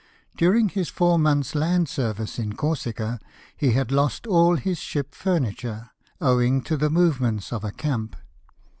During his four months' land service in Corsica he had lost all his ship furniture, OTVing to the movements of a camp.